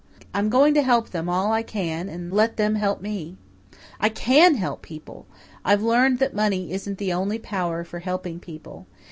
I'm going to help them all I can and let them help me. I CAN help people I've learned that money isn't the only power for helping people.